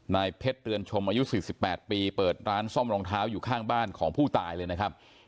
นายเพชรเรือนชมอายุ๔๘ปีเปิดร้านซ่อมรองเท้าอยู่ข้างบ้านของผู้ตายเลยนะครับ